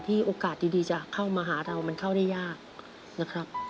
โอกาสดีจะเข้ามาหาเรามันเข้าได้ยากนะครับ